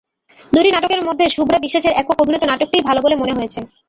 দুটি নাটকের মধ্যে শুভ্রা বিশ্বাসের একক অভিনীত নাটকটিই ভালো বলে মনে হয়েছে।